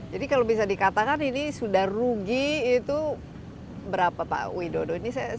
jadi kalau bisa dikatakan ini sudah rugi itu berapa pak widodo ini saya tertarik